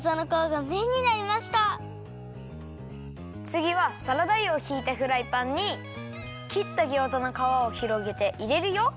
つぎはサラダ油をひいたフライパンにきったギョーザのかわをひろげていれるよ。